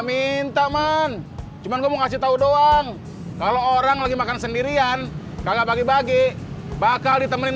mint lasts cumanom ngasih tahu doang kalau orang lagi makan sendirian kagak bagi bagi bakal ditemenin